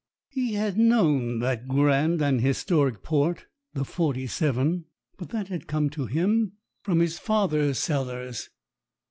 He had known that grand and historic port, the '47, but that had come to him from his father's cellars.